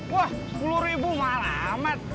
wah sepuluh ribu malah amat